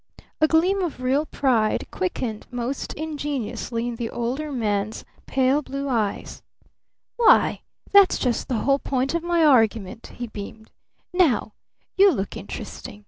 A gleam of real pride quickened most ingenuously in the Older Man's pale blue eyes. "Why, that's just the whole point of my argument," he beamed. "Now you look interesting.